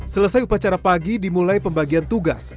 selesai upacara pagi dimulai pembagian tugas